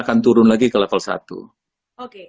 akan turun lagi ke level satu oke